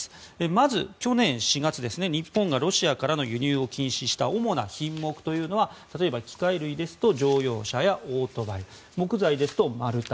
まず去年４月、日本がロシアからの輸入を禁止した主な品目は、機械類ですと乗用車やオートバイ木材ですと、丸太。